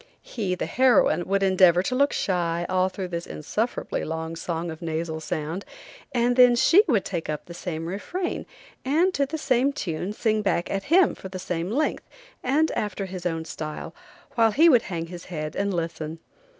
He, the heroine, would endeavor to look shy all through this unsufferably long song of nasal sound, and then she would take up the same refrain, and to the same tune sing back at him for the same length, and after his own style, while he would hang his head and listen.